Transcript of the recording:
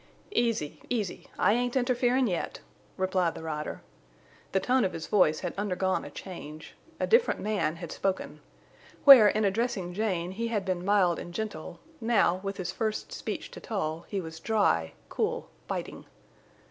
"Easy—easy—I ain't interferin' yet," replied the rider. The tone of his voice had undergone a change. A different man had spoken. Where, in addressing Jane, he had been mild and gentle, now, with his first speech to Tull, he was dry, cool, biting.